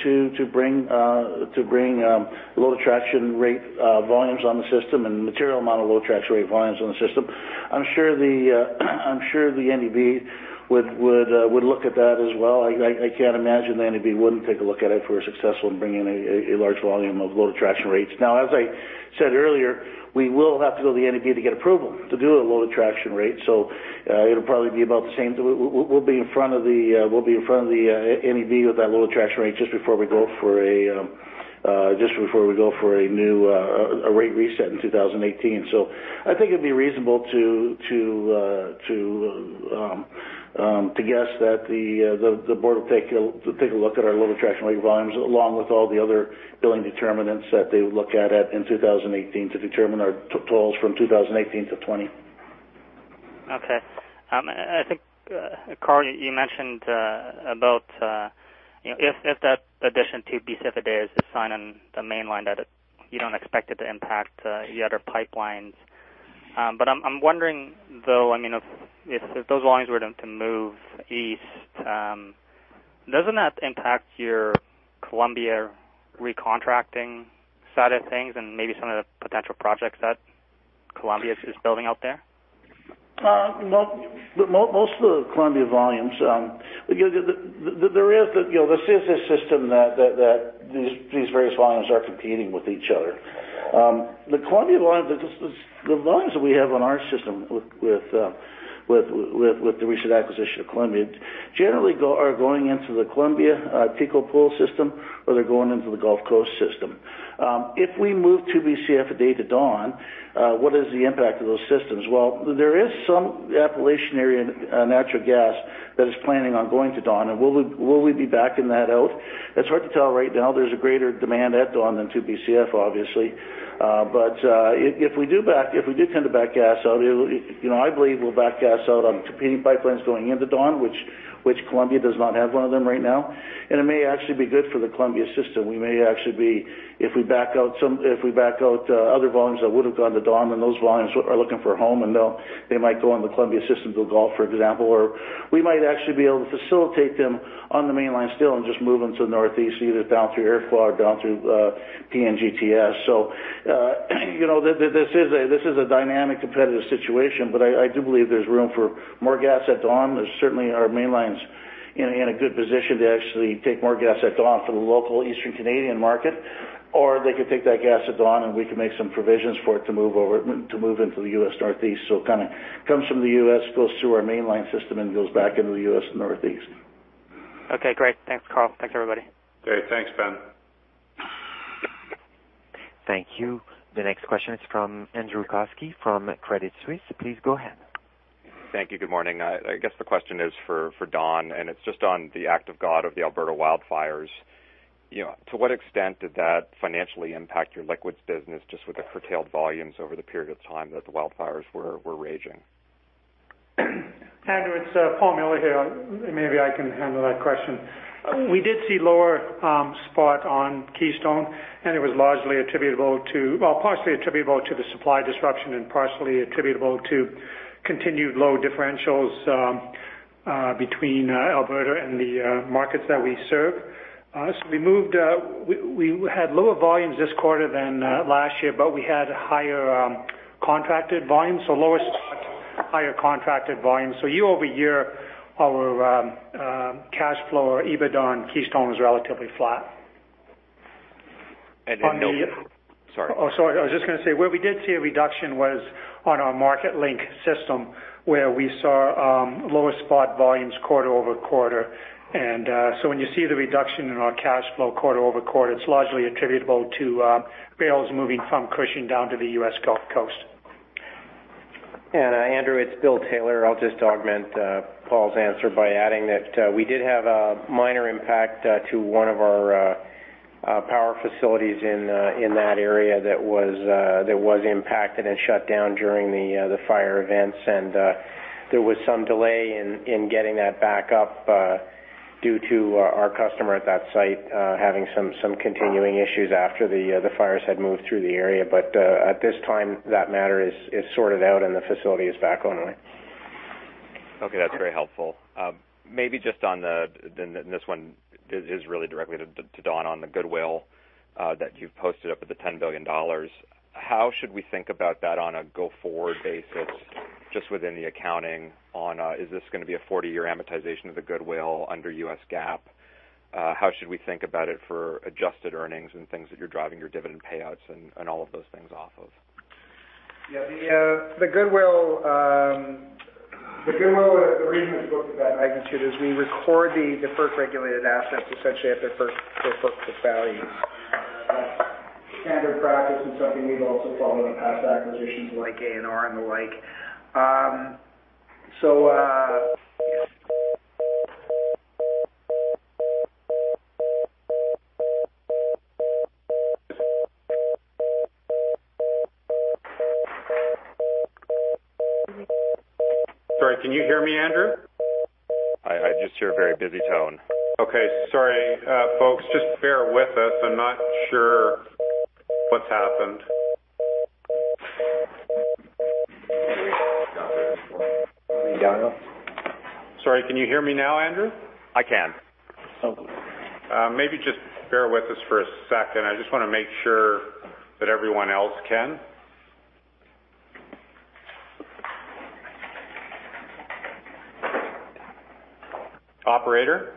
to bring low attraction rate volumes on the system and a material amount of low attraction rate volumes on the system, I'm sure the NEB would look at that as well. I can't imagine the NEB wouldn't take a look at it if we're successful in bringing a large volume of low attraction rates. Now, as I said earlier, we will have to go to the NEB to get approval to do a low attraction rate. It'll probably be about the same. We'll be in front of the NEB with that low traction rate just before we go for a rate reset in 2018. I think it'd be reasonable to guess that the board will take a look at our low traction rate volumes along with all the other billing determinants that they look at in 2018 to determine our tolls from 2018 to '20. Okay. I think, Karl, you mentioned about if that addition 2 Bcf a day is a sign on the Mainline that you don't expect it to impact the other pipelines. I'm wondering though, if those volumes were to move east, doesn't that impact your Columbia recontracting side of things and maybe some of the potential projects that Columbia is building out there? Most of the Columbia volumes. This is a system that these various volumes are competing with each other. The lines that we have on our system with the recent acquisition of Columbia, generally are going into the Columbia Gas pool system or they're going into the Gulf Coast system. If we move 2 Bcf a day to Dawn, what is the impact of those systems? Well, there is some Appalachian area natural gas that is planning on going to Dawn. Will we be backing that out? It's hard to tell right now. There's a greater demand at Dawn than 2 Bcf, obviously. If we do tend to back gas out, I believe we'll back gas out on competing pipelines going into Dawn, which Columbia does not have one of them right now. It may actually be good for the Columbia system. We may actually be, if we back out other volumes that would've gone to Dawn, those volumes are looking for a home, they might go on the Columbia system to the Gulf, for example. We might actually be able to facilitate them on the Mainline still and just move them to the Northeast, either down through Iroquois or down through PNGTS. This is a dynamic, competitive situation, but I do believe there's room for more gas at Dawn. Certainly our Mainline's in a good position to actually take more gas at Dawn for the local Eastern Canadian market. They could take that gas at Dawn and we can make some provisions for it to move into the U.S. Northeast. It kind of comes from the U.S., goes through our Mainline system, and goes back into the U.S. Northeast. Okay, great. Thanks, Karl. Thanks, everybody. Great. Thanks, Ben. Thank you. The next question is from Andrew Kuske from Credit Suisse. Please go ahead. Thank you. Good morning. I guess the question is for Don, it is just on the act of God of the Alberta wildfires. To what extent did that financially impact your liquids business just with the curtailed volumes over the period of time that the wildfires were raging? Andrew, it is Paul Miller here. Maybe I can handle that question. We did see lower spot on Keystone, it was partially attributable to the supply disruption and partially attributable to continued low differentials between Alberta and the markets that we serve. We had lower volumes this quarter than last year, but we had higher contracted volumes. Lower spot, higher contracted volumes. year-over-year, our cash flow or EBITDA on Keystone was relatively flat. Sorry. Oh, sorry. I was just going to say, where we did see a reduction was on our Marketlink system, where we saw lower spot volumes quarter-over-quarter. When you see the reduction in our cash flow quarter-over-quarter, it's largely attributable to barrels moving from Cushing down to the U.S. Gulf Coast. Andrew, it's Bill Taylor. I'll just augment Paul's answer by adding that we did have a minor impact to one of our power facilities in that area that was impacted and shut down during the fire events. There was some delay in getting that back up due to our customer at that site having some continuing issues after the fires had moved through the area. At this time, that matter is sorted out, and the facility is back online. Okay. That's very helpful. Maybe just on this one is really directly to Don on the goodwill that you've posted up at the $10 billion. How should we think about that on a go-forward basis, just within the accounting on, is this going to be a 40-year amortization of the goodwill under US GAAP? How should we think about it for adjusted earnings and things that you're driving your dividend payouts and all of those things off of? Yeah. The goodwill, the reason it's booked at that magnitude is we record the deferred regulated assets, essentially, at their first book to value. Standard practice and something we've also followed in past acquisitions like ANR and the like. Sorry, can you hear me, Andrew? I just hear a very busy tone. Okay. Sorry, folks. Just bear with us. I'm not sure what's happened. Are we down now? Sorry, can you hear me now, Andrew? I can. Maybe just bear with us for a second. I just want to make sure that everyone else can. Operator?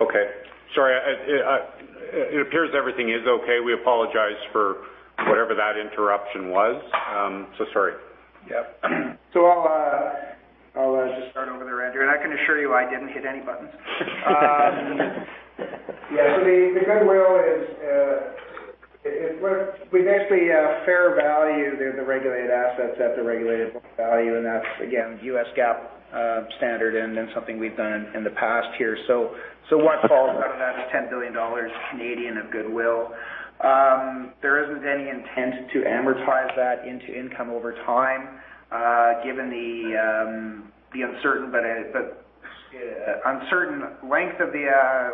Okay. Sorry. It appears everything is okay. We apologize for whatever that interruption was. Sorry. I'll just start over there, Andrew, and I can assure you I didn't hit any buttons. The goodwill is, we basically fair value the regulated assets at the regulated value, and that's, again, US GAAP standard and then something we've done in the past here. What falls out of that is 10 billion Canadian dollars of goodwill. There isn't any intent to amortize that into income over time given the uncertain length of the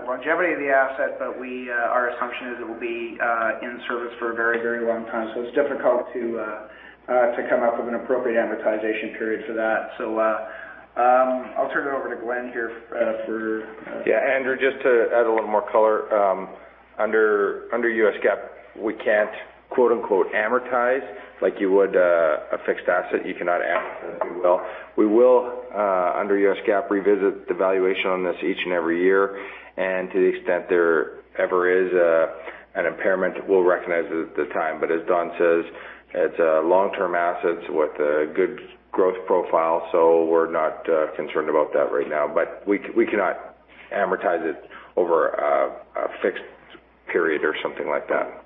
longevity of the asset. Our assumption is it will be in service for a very, very long time. It's difficult to come up with an appropriate amortization period for that. I'll turn it over to Glenn here for Andrew, just to add a little more color. Under US GAAP, we can't quote unquote amortize like you would a fixed asset. You cannot amortize goodwill. We will, under US GAAP, revisit the valuation on this each and every year. To the extent there ever is an impairment, we'll recognize it at the time. As Don says, it's a long-term asset with a good growth profile, we're not concerned about that right now. We cannot amortize it over a fixed period or something like that.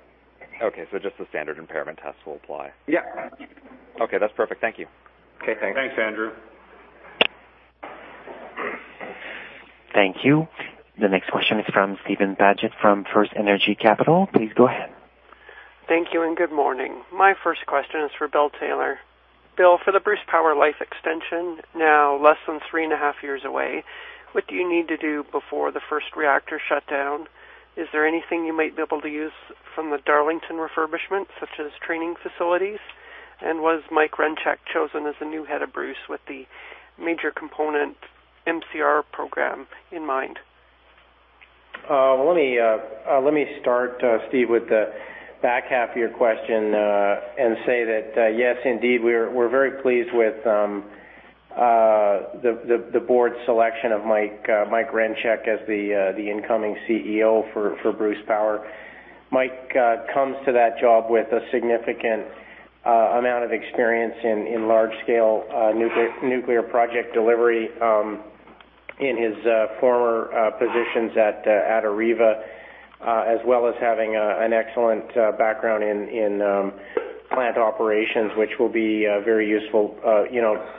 Okay. Just the standard impairment tests will apply. Yeah. Okay. That's perfect. Thank you. Okay, thanks. Thanks, Andrew. Thank you. The next question is from Steven Paget from FirstEnergy Capital. Please go ahead. Thank you. Good morning. My first question is for Bill Taylor. Bill, for the Bruce Power life extension, now less than three and a half years away, what do you need to do before the first reactor shutdown? Is there anything you might be able to use from the Darlington refurbishment, such as training facilities? Was Mike Rencheck chosen as the new head of Bruce with the major component MCR program in mind? Let me start, Steve, with the back half of your question and say that yes, indeed, we're very pleased with the board's selection of Mike Rencheck as the incoming CEO for Bruce Power. Mike comes to that job with a significant amount of experience in large-scale nuclear project delivery. In his former positions at AREVA, as well as having an excellent background in plant operations, which will be very useful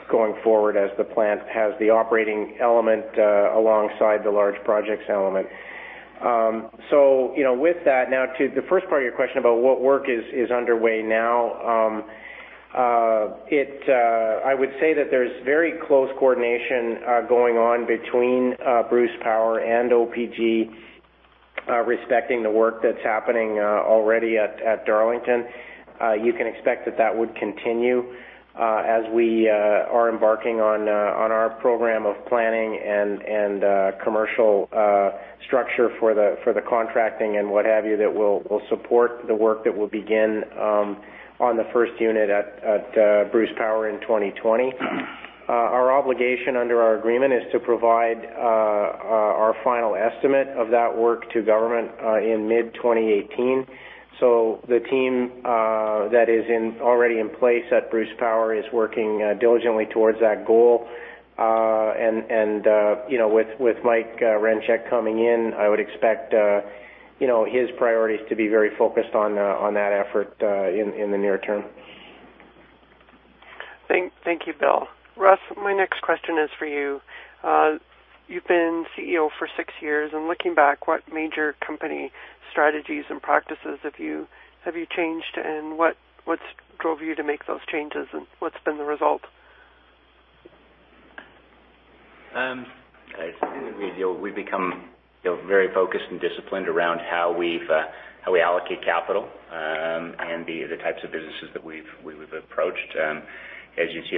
going forward as the plant has the operating element alongside the large projects element. With that, now to the first part of your question about what work is underway now. I would say that there's very close coordination going on between Bruce Power and OPG respecting the work that's happening already at Darlington. You can expect that that would continue as we are embarking on our program of planning and commercial structure for the contracting and what have you, that will support the work that will begin on the first unit at Bruce Power in 2020. Our obligation under our agreement is to provide our final estimate of that work to government in mid-2018. The team that is already in place at Bruce Power is working diligently towards that goal. With Mike Rencheck coming in, I would expect his priorities to be very focused on that effort in the near term. Thank you, Bill. Russ, my next question is for you. You've been CEO for six years, and looking back, what major company strategies and practices have you changed, and what drove you to make those changes and what's been the result? We've become very focused and disciplined around how we allocate capital and the types of businesses that we've approached. As you see,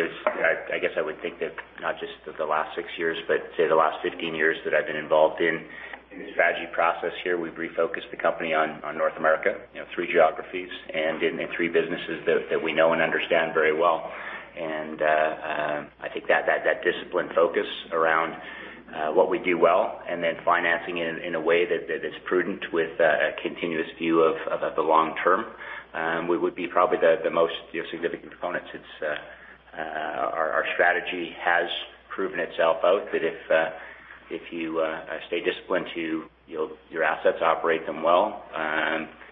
I guess I would think that not just the last six years, but say the last 15 years that I've been involved in the strategy process here, we've refocused the company on North America, three geographies and in three businesses that we know and understand very well. I think that discipline focus around what we do well and then financing it in a way that is prudent with a continuous view of the long term, would be probably the most significant components. Our strategy has proven itself out, that if you stay disciplined to your assets, operate them well,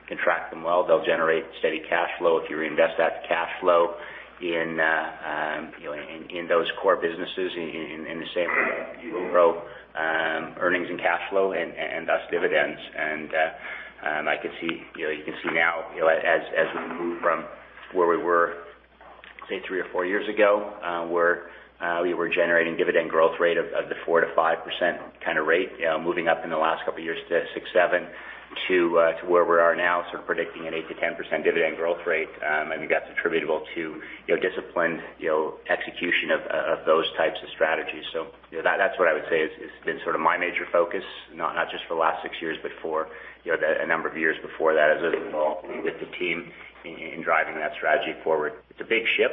contract them well, they'll generate steady cash flow. If you reinvest that cash flow in those core businesses, in the same way, you will grow earnings and cash flow and thus dividends. You can see now, as we move from where we were, say, three or four years ago, where we were generating dividend growth rate of the 4%-5% kind of rate, moving up in the last couple of years to six, seven, to where we are now, sort of predicting an 8%-10% dividend growth rate. I think that's attributable to disciplined execution of those types of strategies. That's what I would say has been sort of my major focus, not just for the last six years, but for a number of years before that, as I was involved with the team in driving that strategy forward. It's a big ship.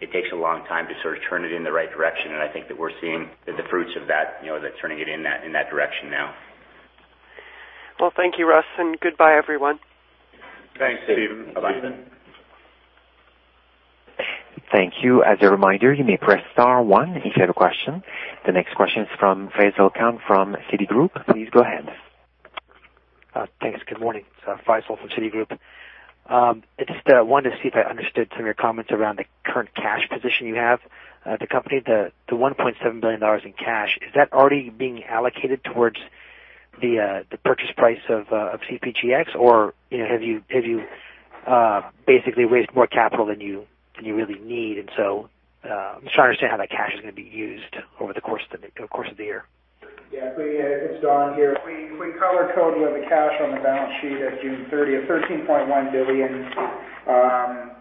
It takes a long time to sort of turn it in the right direction. I think that we're seeing the fruits of that, turning it in that direction now. Well, thank you, Russ, and goodbye, everyone. Thanks, Steven. Bye-bye. Thank you. As a reminder, you may press star one if you have a question. The next question is from Faisel Khan from Citigroup. Please go ahead. Thanks. Good morning. It's Faisel from Citigroup. I just wanted to see if I understood some of your comments around the current cash position you have. The company, the 1.7 billion dollars in cash, is that already being allocated towards the purchase price of CPGX, or have you basically raised more capital than you really need? I'm just trying to understand how that cash is going to be used over the course of the year. Yeah. It's Don here. We color-coded the cash on the balance sheet at June 30. 13.1 billion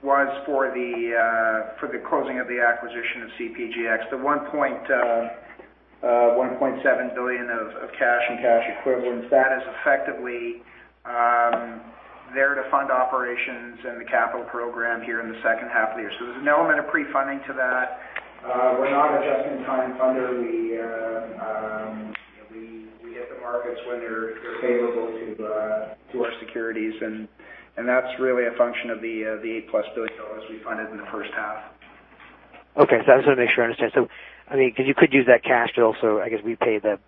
was for the closing of the acquisition of CPGX. The 1.7 billion of cash and cash equivalents, that is effectively there to fund operations and the capital program here in the second half of the year. There's an element of pre-funding to that. We're not adjusting time under. We hit the markets when they're favorable to our securities, and that's really a function of the 8-plus billion dollars we funded in the first half. Okay. I just want to make sure I understand. Because you could use that cash to also, I guess, repay the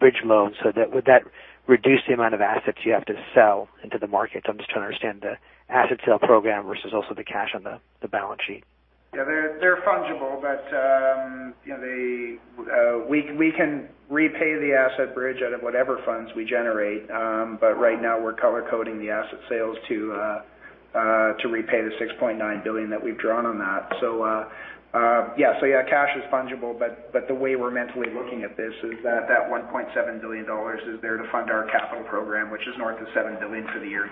bridge loan. Would that reduce the amount of assets you have to sell into the market? I'm just trying to understand the asset sale program versus also the cash on the balance sheet. Yeah, they're fungible, we can repay the asset bridge out of whatever funds we generate. Right now, we're color-coding the asset sales to repay the 6.9 billion that we've drawn on that. Cash is fungible, but the way we're mentally looking at this is that that 1.7 billion dollars is there to fund our capital program, which is north of 7 billion for the year.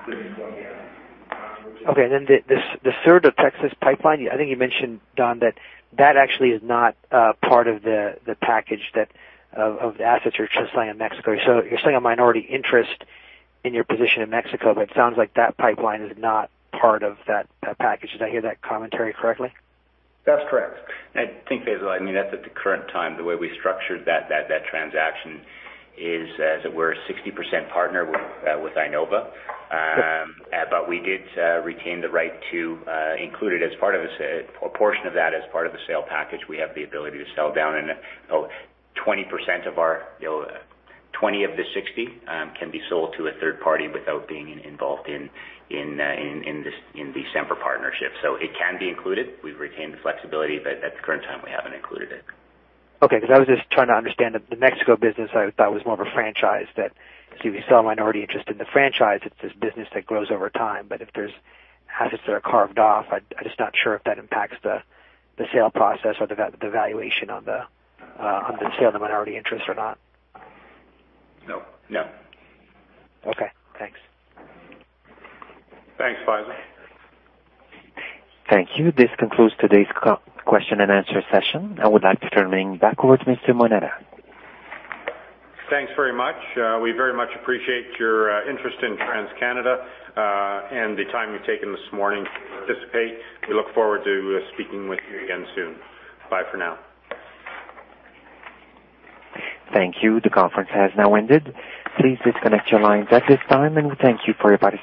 Okay. Then the third, the Texas pipeline, I think you mentioned, Don, that that actually is not part of the package of assets you're translating in Mexico. You're selling a minority interest in your position in Mexico, but it sounds like that pipeline is not part of that package. Did I hear that commentary correctly? That's correct. I think, Faisel, that at the current time, the way we structured that transaction is, as it were, a 60% partner with IEnova. Okay. We did retain the right to include a portion of that as part of the sale package. We have the ability to sell down 20% of our 20 of the 60 can be sold to a third party without being involved in the Sempra partnership. It can be included. We've retained the flexibility, at the current time, we haven't included it. I was just trying to understand. The Mexico business I thought was more of a franchise, that if you sell a minority interest in the franchise, it's this business that grows over time. If there's assets that are carved off, I'm just not sure if that impacts the sale process or the valuation on the sale of the minority interest or not. No. No. Okay, thanks. Thanks, Faisel. Thank you. This concludes today's question and answer session. I would like to turn things back over to Mr. Moneta. Thanks very much. We very much appreciate your interest in TransCanada and the time you've taken this morning to participate. We look forward to speaking with you again soon. Bye for now. Thank you. The conference has now ended. Please disconnect your lines at this time, and we thank you for your participation.